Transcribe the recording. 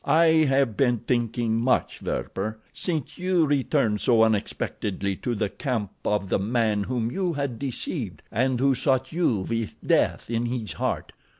"I have been thinking much, Werper, since you returned so unexpectedly to the camp of the man whom you had deceived, and who sought you with death in his heart.